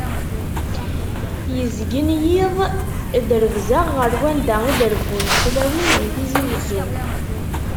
Yezgen yiḍ drebzeɣ ɣer wanda i d-rebbunt tlawin di Tizi Wezzu.